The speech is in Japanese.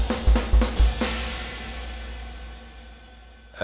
え